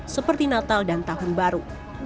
seperti natal dan tahun baru